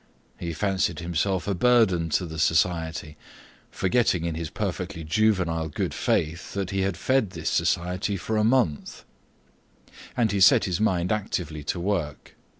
He fancied himself a burden to the society, forgetting in his perfectly juvenile good faith that he had fed this society for a month; and he set his mind actively to work.